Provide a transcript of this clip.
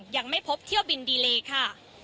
ยังไม่พบเที่ยวบินดีเลค่ะ